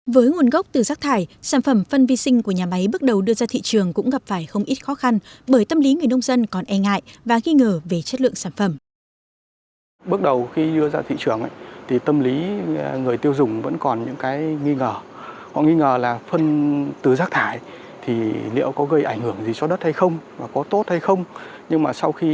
với nguồn gốc từ rác thải sản phẩm phân vi sinh của nhà máy bước đầu đưa ra thị trường cũng gặp phải không ít khó khăn bởi tâm lý người nông dân còn e ngại và nghi ngờ về chất lượng sản phẩm